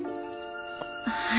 はい。